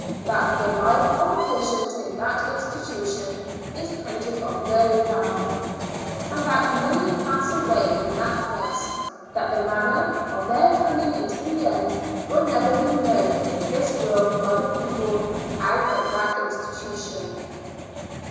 that the life of a patient in that institution is counted of no value, and that many pass away from that place, that the manner of their coming to their end will never be known in this world by the people out of that institution.